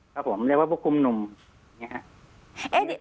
ครับผมเรียกว่าผู้คุมหนุ่มอย่างนี้ครับ